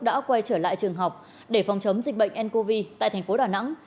đã quay trở lại trường học để phòng chống dịch bệnh ncov tại thành phố đà nẵng